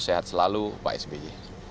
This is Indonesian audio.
sehat selalu pak sby